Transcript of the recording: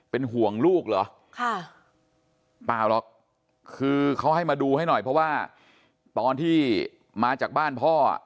เป็นห่วงลูกเหรอค่ะเปล่าหรอกคือเขาให้มาดูให้หน่อยเพราะว่าตอนที่มาจากบ้านพ่อ